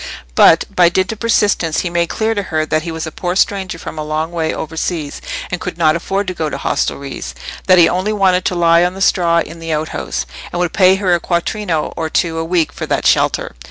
But, by dint of persistence, he made clear to her that he was a poor stranger from a long way over seas, and could not afford to go to hostelries; that he only wanted to lie on the straw in the outhouse, and would pay her a quattrino or two a week for that shelter.